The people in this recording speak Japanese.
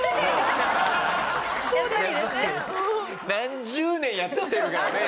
何十年やってきてるからね。